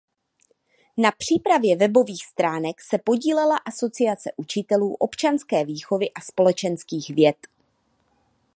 Na přípravě webových stránek se podílela Asociace učitelů občanské výchovy a společenských věd.